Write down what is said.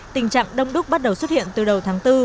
tình trạng đông đúc bắt đầu xuất hiện từ đầu tháng bốn